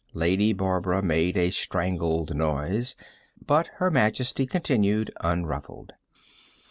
Lady Barbara made a strangled noise but Her Majesty continued, unruffled.